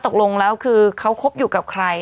ตกลงแล้วคือเขาคบอยู่กับใคร